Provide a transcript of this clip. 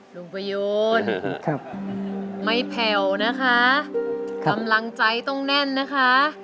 ประโยนไม่แผ่วนะคะกำลังใจต้องแน่นนะคะ